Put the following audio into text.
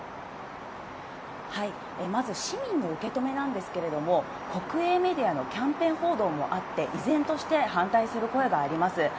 まず、市民の受け止めなんですけれども、国営メディアのキャンペーン報道もあって、依然として反対する声があります。